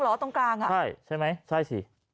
๒หรอตรงกลางใช่ใช่ไหมใช่สิ